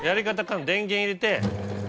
簡単電源入れて。